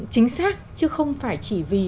chính xác chứ không phải chỉ vì